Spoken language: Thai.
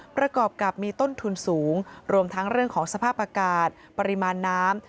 ประกอบกับมีต้นทุนสูงรวมทั้งเรื่องของสภาพอากาศปริมาณน้ำ